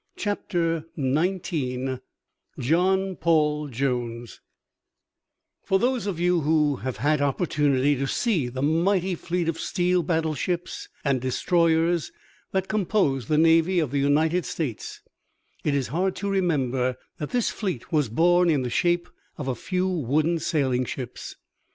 CHAPTER XIX JOHN PAUL JONES For those of you who have had opportunity to see the mighty fleet of steel battleships and destroyers that compose the navy of the United States, it is hard to remember that this fleet was born in the shape of a few wooden sailing ships.